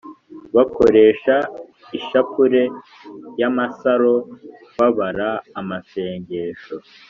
bakoresha ishapure y’amasaro babara amasengesho